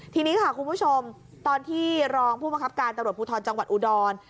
ทีนี้ค่ะคุณผู้ชมตอนที่รองผู้บังคับการตำรวจภูทรจังหวัดอุดร